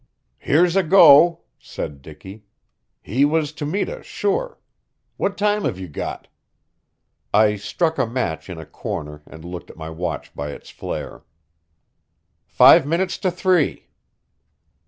"Here's a go!" said Dicky. "He was to meet us, sure. What time have you got?" I struck a match in a corner and looked at my watch by its flare. "Five minutes to three."